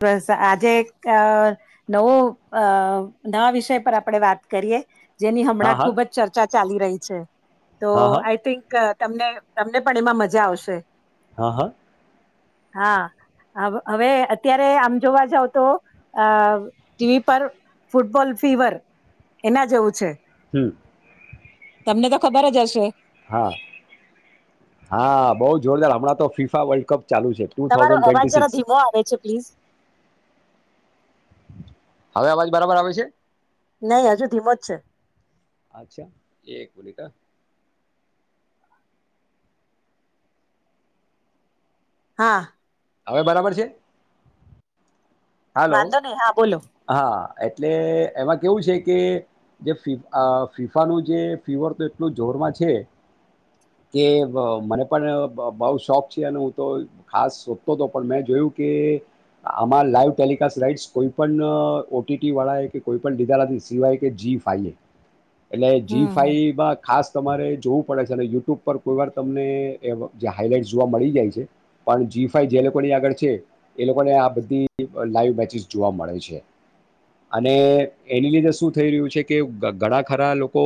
બસ આજે એક નવો અ નવા વિષય પર આપડે વાત કરીએ જેની હા હમણાં હા ખુબ જ ચર્ચા ચાલી રહી છે તો હા હા આઈ થિંક તમને તમને પણ એમાં મજા આવશે. હા હા. હા હવ હવે. ત્યારે આમ જોવા જાવ તો અ ટીવી પર ફૂટબોલ ફીવર એના જેવું છે. હમ. તમને તો ખબર જ હશે. હા હા બઉ જોરદાર હમણાં તો ફીફા વર્લ્ડ કપ. ચાલુ છે ટુ તમારો થાઉઝન્ડ અવાજનો ટ્વેન્ટી જરા સિક્સ ધીમો આવે છે પ્લીઝ. હવે અવાજ બરાબર આવે છે? નહી હજુ ધીમો જ છે. અચ્છા. એક ડેટા હા. હવે બરાબર છે? હાલો વાંધો નહી. હા, બોલો. હા, એટલે એમાં કેવું છે કે જે ફીફાનું જે ફીવર તો એટલું જોરમાં છે કે મને પણ બહુ શોખ છે. અને હું તો ખાસ શોધતો હતો પણ મેં જોયું કે, આમાં લાઈવ ટેલિકાસ્ટ રાઈટ્સ કોઈ એ પણ ઓ ટી ટી વાળાએ કે કોઈ પણ લીધા નથી સિવાય કે જી ફાઈ. એટલે જી હમ હમ ફાઈવમાં ખાસ તમારે જોવું પડે છે અને યુટ્યુબ પર કોઈ વાર તમને હાઈલાઈટ જોવા મળી જાય છે. પણ જી ફાઈ જે લોકોની આગળ છે. એ લોકોને આ બધી લાઈવ બચી [unintelligible] જોવા મળે છે અને એની લીધે શું થઈ રહ્યું છે કે ઘણા ખરા લોકો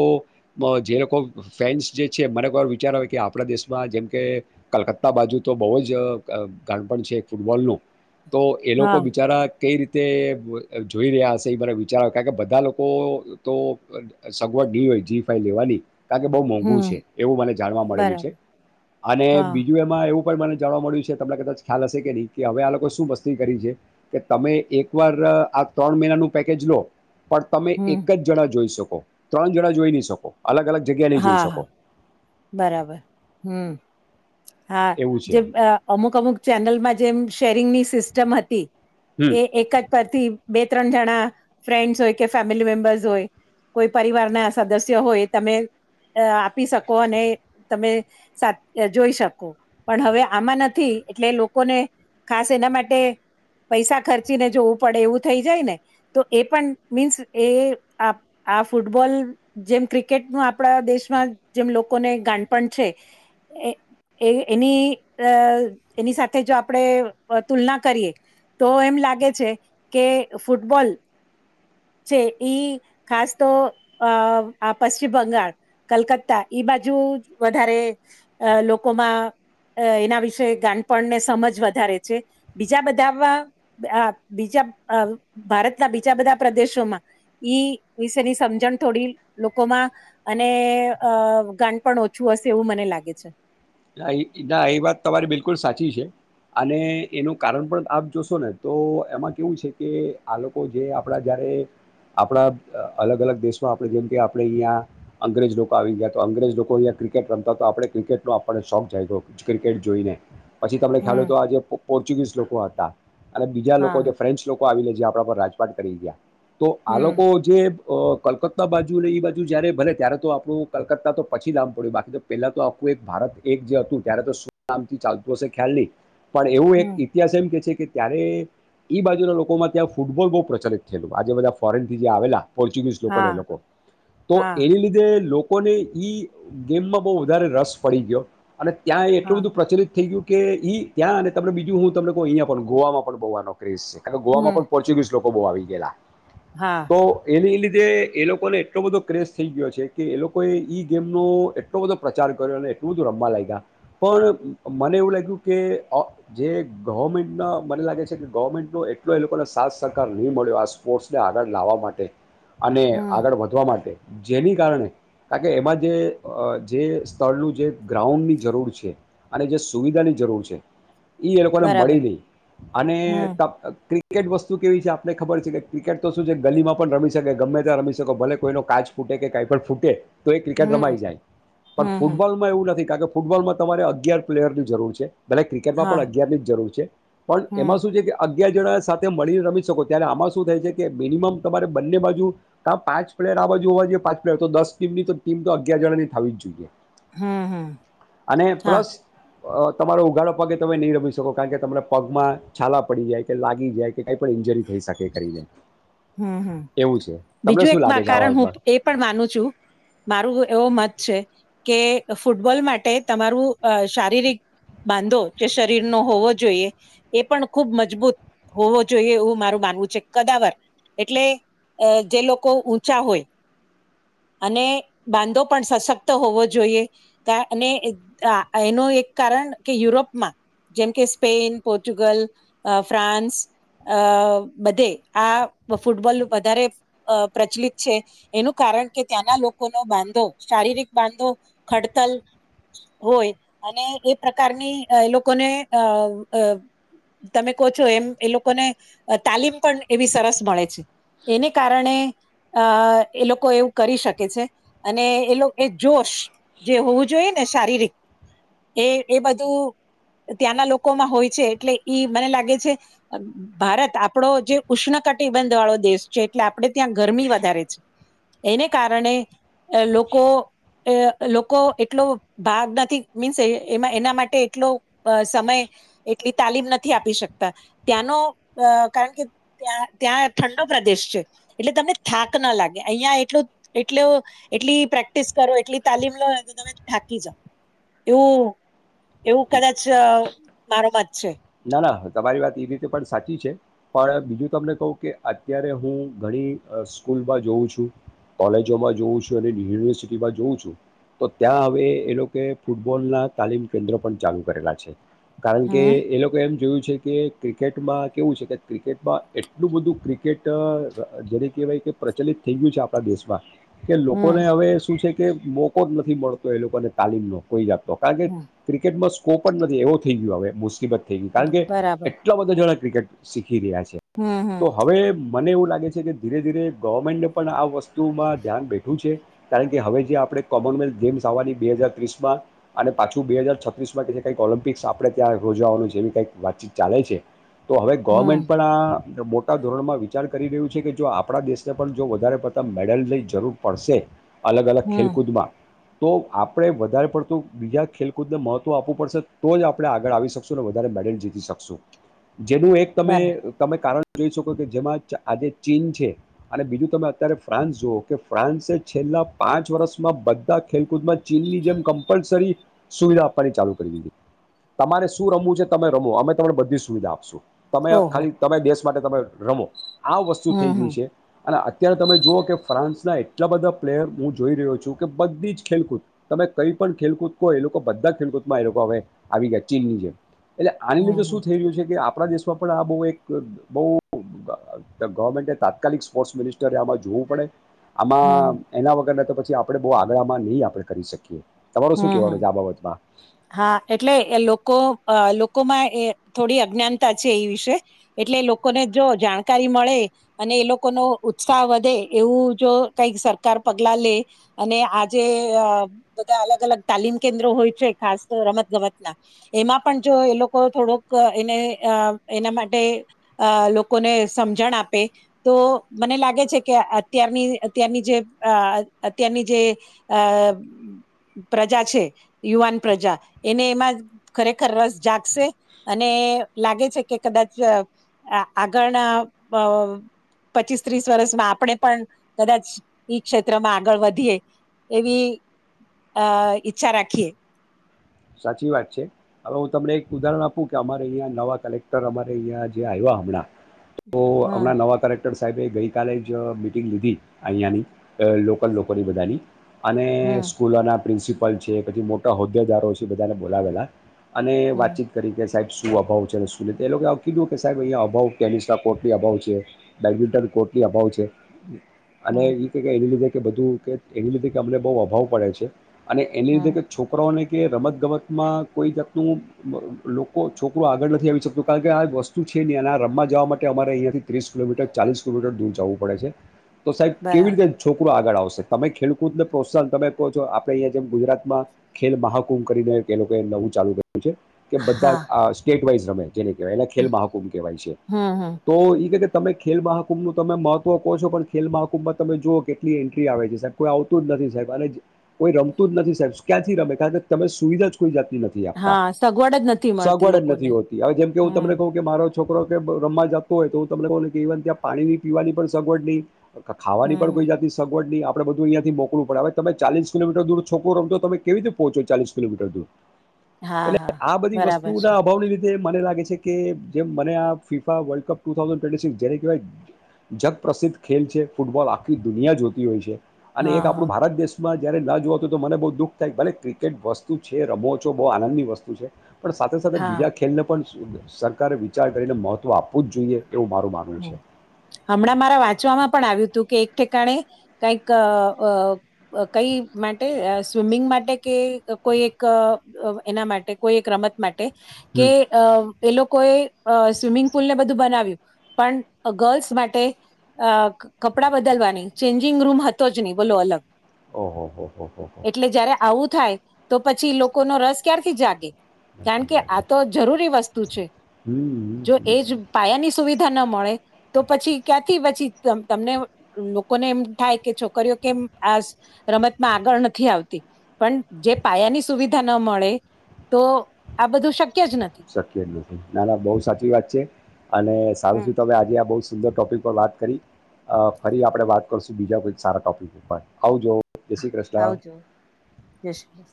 જે લોકો ફેન્સ જે છે બરાબર વિચાર આવે કે આપણા દેશમાં જેમ કે કલકત્તા બાજુ તો બહુ જ ગાંણપણ છે ફૂટબોલનું, તો એ હા લોકો બિચારા કઈ રીતે? તે જોઈ રહ્યા હશે વિચારો કે બધા લોકો તો સગવડ નઈ હોય જી ફાઈ લેવાની. કારણ કે બહુ મોંઘું હમ છે, એવું મને જાણવા મળેલું છે, બરાબર અને હા બીજું એમાં એવું મને જાણવા મળ્યું છે તમને કદાચ ખ્યાલ હશે કે નહી કે હવે આ લોકો શું મસ્તી કરી છે, કે તમે એક એક વાર આ ત્રણ મહિનાનું પેકેજ લો. પણ તમે હમ એક જ જણા જોઈ શકો. ત્રણ જણા જોઈ નહી શકો. અલગ અલગ જગ્યા નહીં હા જોઈ હા શકો. બરાબર હમ્મ હા એવું છે જેમ અ અમુક અમુક ચેનલમાં જેમ ટેરિંગની સિસ્ટમ હતી. હમ એ એક જ પરથી બે ત્રણ જણા ફ્રેન્ડ્સ હોય કે ફેમિલી મેમ્બર્સ હોય કોઈ પરિવારના સદસ્ય હોય તમે અ આપી શક કો ને તમે સાથ જોઈ શકો. પણ હવે આમાં નથી એટલે લોકોને ખાસ એના માટે પૈસા ખર્ચીને જોવું પડે એવું થઈ જાય ને તો એ પણ મીન્સ એ આ આ ફૂટબોલ જેમ ક્રિકેટનું આપણા દેશમાં જેમ લોકોને ગાનપણ છે એ એ એની એની સાથે જો આપણે તુલના કરીએ તો એમ લાગે છે કે ફૂટબોલ છે, ઈ ખાસ તો અ આ પશ્ચિમ બંગાળ, કલકત્તા ઈ બાજુ વધારે અ લોકોમાં અ એના વિશે ગાનપણને સમજ વધારે છે, બીજા બધામાં આ બીજા ભારતના બીજા બધા પ્રદેશોમાં ઈ વિશેની સમજણ થોડી લોકોમાં અને અ ગાનપણ ઓછું હશે એવું મને લાગે છે. નાઈ ના ઈ વાત તમારી બિલકુલ સાચી છે. અને એનું કારણ પણ આપ જોશો ને તો એમાં કેવું છે કે આ લોકો જે આપણા જયારે આપણા અલગ અલગ દેશમાં આપણે જેમ કે આપણેે ઈયા અંગ્રેજ લોકો આવી ગયા તો અંગ્રેજ લોકો ઈયા ક્રિકેટ રમતા તો આપણે ક્રિકેટનો આપણને શોખ જાઈગો ક્રિકેટ જોઈને પછી તમને ખ્યાલ હમ હોય તો આ જેે પોર્ચુગીઝ લોકો હતા. અને બીજા લોકો જે હા, ફ્રેન્ચ લોક તો આવીને જે આપણા પર રાજપાટ કરી ગયા. તો આ લોકો હમ, જે તો કલકત્તા બાજુ ને એ બાજુ જયારે ભલે ત્યારે તો આપડુ કલકત્તા તો પછી નામ પડ્યું બાકી તો પહેલા તો આખું એક ભારત. એક જે હતું ત્યારે તો સુું નામથી ચાલતું હશે ખ્યાલ નઈ. પણ એવું એક હમ, ઇતિહાસ એમ કે છે કે ત્યારે એ એ બાજુના લોકોમાં ત્યાં ફૂટબોલ મા પ્રચલિત થયેલું આજે બધા ફોરેનથી જે આવેલા. પોર્ચુગીઝ લોકો ને એ હા, લોકો તો હા, એની લીધે લો કોને ઈ ગેમમાં બહુ વધારે રસ પડી ગયો. અને ત્યાં એટલું હા, બધું પ્રચલિત થઈ ગયું. કે ઈ ત્યાં અને તમને બીજું હું તમને કહ અહીંયા પણ ગોવામાં પણ બોવાનો. રેસે અને હમ, ગોવામાં પણ પોર્ચ્યુગીસ લોક કો બો આવી ગેલા. હા, તો એની એ લી. તેં એ લોકોને એટલો બધો ક્રેસ થઈ ગયો છે કે એ લોકોએ ઈ ગેમનોો એટલો બધો પ્રચાર કર્યો અને એટલું રમવા લાયગા પણ મને એવું લાગ્યું કે અ જે ગવર્મેન્ટ મને લાગે છે કે ગવર્મેન્ટ નું એટલો એ લોકોને સાથ સહકાર નહીં મળ્યો આ સ્પોર્ટસને આગળ લાવવા માટે. અને હમ, આગળ વધવા માટે. જેની કારણે કાર કે એમાં જે જે સ્થળનું જે ગ્રાઉન્ડની જરૂર છે અને જે સુવિધાની જરૂર છે. ઈ એ લોકો ને બરાબર, મળી લઈ અને હમ, ત કેટ વસ્તુ કેવી છે આપને ખબર છે કે ક્રિકેટ તો શું છે ગલીમાં પણ રમી શકે ગમે ત્યાં રમી શકો ભલે કોઈનો કાચ ફૂટે કે કઈ પણ ફૂટે. તો એ ક્રિકેટ રમાઈ હમ, જાય પણ હમ, હમ, ફૂટબોલમાં એવું ન કારણ કે ફૂટબોલમાં તમારે અગિયાર પ્લેયર ની જરૂર છે. મને ક્રિકેટમાં પણ હા, અગિયારની જરૂર છે પણ એમાં હમ, શું છે કે અગિયાર જણા સાથે મળીને રમી શકો ત્યારે આમાં શું થાય છે કે મિનિમમ તમારે બંને બાજુ તો પાચ પ્લેયર આ બાજુ હોવા જોઈએ પાંચ પ્લેયર તો દસ ટીમ ની તો ટીમ તો અગિયાર જણાની થવી જ જોઈએ હમ હમ અને હા પ્લસ તમારો ઉઘાડો પગ એ તમે નહીં રમી શકો કારણ કે તમારા પગમાં છાલા પડી જાય કે લાગી જાય કે કઈ પણ ઈન્જરી થઈ શકે કરીને હમ હમ એવું છે તમને બીજું શું એક લાગે છે આ કારણ બાબતમાં હું એ પણ માનું છું મારું એવો મત કે ફૂટબોલ માટે તમારું શારીરિક બાંધો જે શરીર નો હોવો જોઈએ એ પણ ખુબ મજબૂત હોવો જોઈએ એવું મારું માનવું છે કદાવર એટલે જે લોકો ઊંચા હોય અને બાંધો પણ સશક્ત હોવો જોઈએ અને એનું એક કારણ કે યુરોપમાં જેમ કે સ્પેન પોર્ટુગલ ફ્રાન્સ આ બધે આ ફૂટબોલ વધારે પ્રચલિત છે એનું કારણ કે ત્યાંના લોકોનો બાંધો શારીરિક બાંધો ખડતલ હોય અને એ પ્રકારની એ લોકોને અ તમે કહો છો એમ એ લોકોને તાલીમ પણ એવી સરસ મળે છે એને કારણે અ એ લોકો એવું કરી શકે છે અને એ એ જોશ જે હોવું જોઈએ ને શારીરિક એ એ બધું ત્યાંના લોકોમાં હોય છે એટલે ઈ મને લાગે છે ભારત આપણો જે ઉષ્ણકટ બંધ વાળો દેશ છે એટલે આપણેે ત્યાં ગરમી વધારે છે એને કારણે લોકો લોકો એટલો ભાગ નથી મીન્સ એ એના માટે એટલો સમય એટલી તાલીમ નથી આપી શકતા ત્યાંનો કારણ કે ત્યાં ત્યાં ઠંડો પ્રદેશ છે એટલે તમને થાક ના લાગે અહં એટલું એટ એટલી પ્રેક્ટિસ કરો એટલી તાલીમ લો તો તમે થાકી જાઓ એવું એવું કદાચ મારો મત છે હ ના તમારી વાત એ રીતે પણ સાચી છે પણ બીજું તમને કહું કે અત્યારે હું ઘણી સ્કૂલમાં જોઉ છું કોલેજોમાં જોઉં છું અને યુનિવર્સિટીમાં જોઉં છું તો ત્યાં હવે એ લોકો ફૂટબોલ ના તાલીમ કેન્દ્રો પણ ચાલુ કરેલા છે કારણ કે હમ એ લોકો એ જોયું છે કે ક્રિકેટમાં કેવું છે કે ક્રિકેટમાં એટલું બધું ક્રિકેટ જેને કેહેવાય કે પ્રચલિત થઈ ગયું છે આપણા દેશમાં કે હમ લોકોને હવે શું છે તે મોકો જ નથી મળતો એ લોકોને તાલીમનો કોઈ જાત તો કારણ કે ક્રિકેટમાં કો પણ નથી એવો થઈ ગયો હવે મુસીબત થઈ ગયું કારણ કે બરાબર એટલા બધા જણા ક્રિકેટ શીખી ી રહ્યા છે હમ હમ તો હવે મને એવું લાગે છે કે ધીરે ધીરે ગવર્મેન્ટને પણ આ વસ્તુમાં ધ્યાન બેઠું છે કારણ કે હવે જે આપણે કોમનવેલ્થ ગેમ્સ આવવાની બે હજાર ત્રીસમાં અને પાછું બે હજાર છત્રીસમાં ક છે કંઈક ઓલિમ્પિક્સ આપણે ત્યાં યોજાવાનું છે જેવી કઈક વાતચીત ચાલે છે તો હવે ગવર્મેન્ટ હમ પણ આ મોટા ધોરણમાં વિચાર કરી રહ્યું છે કે જો આપણા દેશને પણ જો વધારે પતા મેડલ લઈ જરૂર પડશે અલગ અલગ હમ ખેલકૂદમાં તો આપણે વધારે પડતું બીજા ખેલકૂદને મહત્વ આપવું પડશે તો જ આપણે આગળ આવી શકશું વધારે મેડલ જીતી શકશું જેનું એક તમે બરા તમે કારણ જોઈ શકો કે જેમાં આજે ચીન છે અને બીજું તમે અત્યારે ફ્રાન્સ જુઓ કે ફ્રાન્સે છેલ્લા પાંચ વર્ષમાં બધા ખેલકૂદમાં ચીનની જેમ કમ્પલસરી સુવિધા આપવાની ચાલુ કરી દીધી તમારે શું રમવું છે તમે રમો અમે તમને બધી સુવિધા આપશું તમે ઓહો ખાલી તમે દેશ માટે તમે રમો આ વસ્તુ થઈ હમ ગઈ હમ છે અને અત્યારે તમે જુઓ કે ફ્રાન્સના એટલા બધા પ્લેયર હું જોઈ રહ્યો છું કે બધી જ ખેલકૂદ તમે કઈ પણ ખેલકૂદ કહો એ લોકો બધા ખેલકૂદમાં એ લોકો હવે આવી ગયા ચીનની જેમ એટલે આની હમ લીધે હમ શું થઈ રહ્યું છે કે આપણા દેશમાં પણ આ બહુ એક બહુ ગવર્મેન્ટ તાત્કાલિક સ્પોર્ટ્સ મિનિસ્ટરે આમાં જોવું પડે હમ આમાં એના વગર ને તો પછી આપણે બહુ આગળમાં નહીં આપડણે કરી શકીએ તમારુ શું હા હા કેવાનું છે આ બાબતમાં હા એટલે લોકો અ લોકોમાં થોડી અજ્ઞાનતા છે એ વિશે એટલે લોકોને જો જાણકારી મળે અને એ લોકોનો ઉત્સાહ વધે એવું જો કઈક સરકાર પગલા લે અને આજે અ બધા અલગ અલગ તાલીમ કેન્દ્રો હોય છે ખાસ તો રમત ગમત ના એમાં પણ જો એ લોકો થોડોક એને અ એના માટે અ લોકોને સમજણ આપે તો મને લાગે છે કે અત્યારની અત્યારની જે અત્યારની જે અ પ્રજા છે યુવાન પ્રજા એને એમાં ખરેખર રસ જાગશે અને લાગે છે કે કદાચ આગળના પ પચીસ ત્રીસ વર્ષમાં આપણે પણ કદાચ ઈ ક્ષેત્રમાં આગળ વધીએ એવી અ ઈચ્છા રાખીએ સાચી વાત છે હવે હું તમને એક ઉદાહરણ આપું કે અમારે અહીં નવા કલેક્ટર અમારે અહંયા જે આવ્યા હમણાં તો હમ હમણાં નવા કેરેક્ટર સાહેબે ગઈકાલે જ મિટિંગ લીધી અહીંયાની લોકલ લોકલ લોકો ની બધાની અને હમ સ્કૂલોના પ્રિન્સિપલ છે પછી મોટા હોદ્દેગારો છે શી બધાને બોલાવેેલા અને હમ વાતચીત કરી કે સાહેબ શું અભાવ છે, શું એ લોકો કીધું કે સાબ એ અભાવ ટેનિસ ના કોર્ટની અભાવ છે, બેડમિન્ટન કોર્ટની અભાવ છે. અને હમ એ કે એની લીધે કે બધું કે એની લીધે કે અમને બહુ અભાવ અને એની હમ લીધે છોકરાઓને કે રમત ગમતમાં કોઈ જાતનું લોકો છોકરો આગળ નથી આવી શકતું કારણ કે આ વસ્તુ છે, નહીં અને રમવા જવા માટે અમારે અહીંયાથી ત્રીસ કિલોમીટર ચાલીસ કિલોમીટર દૂર જવું પડે છે. તો સાહેબ કેવી બરાબર રીતે છોકરો આગળ આવે? તમે ખેલકૂદ ને પ્રોત્સાહન તમે કહો છો આપે અહંયા જેમ ગુજરાતમાં, ખેલ મહાકુંભ કરી ને તે લોકો નવું ચાલુ - કે બધા હા આ સ્ટેટ કેવાઈઝ રમે જેને કહેવાય એને ખેલબહાકુંમ કહેવાય છે, હમ હમ તો એ તમે ખેલ મહાકુંભનું તમે મહત્વ કહો છો પણ ખેલ મહાકુંભમાં તમે જુઓ કેટલી એન્ટ્રી આવે છે સાહેબ કોઈ આવતું જ નથી સાહેબ, અને કોઈ રમતું જ નથી સાહેબ ક્યાંથી રમે કારણ કે તમે સુવિધા જ કોઈ જા નથી આપતા, હા સગવડ જ નથી મળતી સગવડ જ નથી લોકોને હોતી હવે જેમ કે હું તમને હમ કહું કે મારો છોકરો રમવા જતો હોય તો હું તમને કહને કે ઈવન ત્યાં પાણી પીવાની પણ સગવડ નહીં. ખાવાની હમ પણ હમ કોઈ જાતની સગવડ નહી આપ આપણે બધું અહીયાથી મોકલું પડ હ તમે ચાલી કિલોમટર દૂરોકું રમો તમેવી રીતે પહોંચો ચાલીસ કિલોમીટર દૂર. હા એટલે હા આ બધી બરાબર વસ્તુઓ છે ના અભાવની લીધે તે મને લાગે છે કે જેમ મને આ FIFA World Cup two thousand twenty six જેને કહેવાય જગપ્રસિદ્ધ ખે છે ફૂટબોલ આખી દુનિયા જોતી હોય છે. અને એક હા હા આપણું ભારત દેશ માં જયારે ન જોવ તો મને બહુ દુઃખ થાય ભલે ક કે વસ્તુ છે રમો છો બહુ આનંદની વસ્તુ છે. પણ સાથે સાથે હા બીજા ખેલને પણ સરકારે વિચાર કરીને મહત્ત્વ આપવું જ જોઈએ. એવું મારું માનવું છે હમણાં મારા વાંચવામાં પણ આવ્યું તું કે એક ઠિકણે કઈક કઈ માટે સ્વિમિંગ માટે કે કોઈ એક એના માટે કોઈ એક રમત માટે ટે હમ કે એ લોકો કોએ સ્વિમિંગ પુલ ને બધું બનાવ્યું. પણ ગર્લ્સ માટે, અ કપડા બદલવાની ચેન્જિંગ રૂમ હતો જ નહી બોલો અલગ. ઓહો હો હો હો હો એટલે જયારે આવું થાય તો પછી લોકો નો રસ ક્યારથી જાગે. કારણ કે આ તો જરૂરી વસ્તુ છે હમ હમ, જો હમ. એજ પાયાની સુવિધા ન મળે તો પછી ક્યાંથી પછી તમને લોકોને એમ થાય કે છોકરીઓ કેમ આ રમતમાં આગળ નથી આવતી પણ જે પાયાની સુવિધા ન મળે તો આ બધું શક શક્ય જ નથી ના ના બહુ સાચી વાત છે અને સારુ હમ થયું તમે આજે બહું સુંદર ટોપિક પર વાત કરી ફરી આપણે વાત કરશું બીજા કોઈક સારા ટોપિક ઉપર આવજો જય શ્રી કૃષ્ણ આવજો જે શ્રી